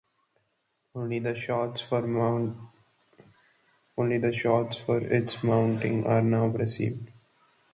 Only the slots for its mounting are now preserved.